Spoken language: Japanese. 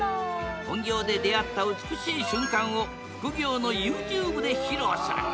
本業で出会った美しい瞬間を副業のＹｏｕＴｕｂｅで披露する。